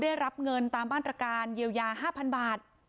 ได้รับเงินตามมาตรการเยียวยา๕๐๐๐บาท